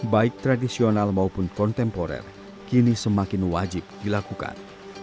baik tradisional maupun kontemporer kini semakin wajib dilakukan